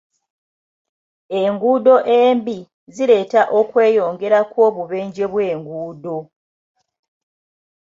Enguudo embi zireeta okweyongera kw'obubenje bw'enguudo.